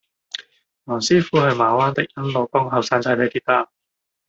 黃師傅去馬灣迪欣路幫個後生仔睇跌打